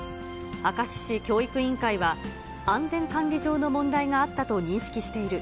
明石市教育委員会は、安全管理上の問題があったと認識している。